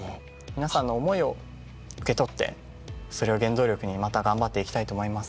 皆さんの思いを受け取ってそれを原動力にまた頑張っていきたいと思います。